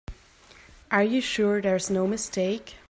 Are you sure there's no mistake?